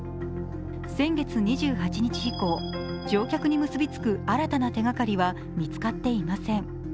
先月２８日以降、乗客に結びつく新たな手がかりは見つかっていません。